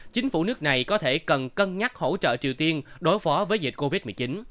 chính phủ nước này có thể cần cân nhắc hỗ trợ triều tiên đối phó với dịch covid một mươi chín